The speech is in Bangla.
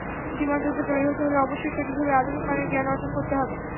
জীবনযুদ্ধে জয়ী হতে হলে অবশ্যই সঠিকভাবে আধুনিক মানের জ্ঞান অর্জন করতে হবে।